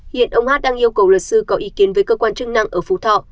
hiện ông hát đang yêu cầu luật sư có ý kiến với cơ quan chức năng ở phú thọ